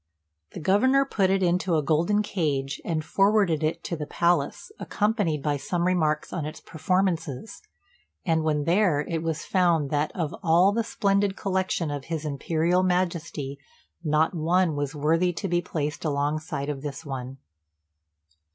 The Governor put it into a golden cage, and forwarded it to the palace, accompanied by some remarks on its performances; and when there, it was found that of all the splendid collection of His Imperial Majesty, not one was worthy to be placed alongside of this one.